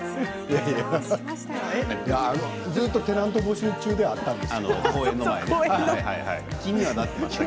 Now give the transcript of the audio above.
ずっとテナント募集中ではあったんだよね。